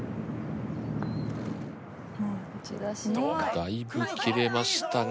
だいぶ切れましたが。